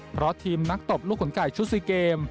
เพราะทีมนักตบลูกขนไก่ชุด๔เกม